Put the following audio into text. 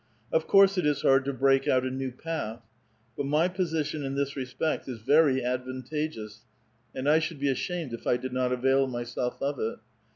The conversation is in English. Of course it is hard to break out a new path. But my position in this respect is very advantageous, and I should be ashamed if I did not avail myself of it.